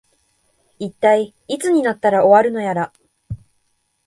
いったい、いつになったら終わるのやら